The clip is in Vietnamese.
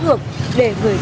và đồng hồ đếm ngược